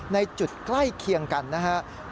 ในจุดใกล้เคียงกันนะครับ